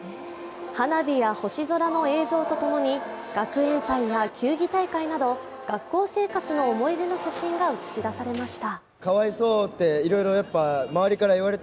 花火や星空の映像とともに、学園祭や球技大会など学校生活の思い出の写真が映し出されました。